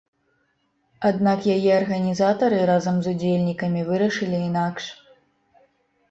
Аднак яе арганізатары, разам з удзельнікамі вырашылі інакш.